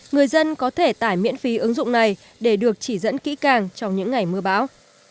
người dân có thể tải miễn phí ứng dụng này để được chỉ dẫn kỹ càng trong những ngày mưa bão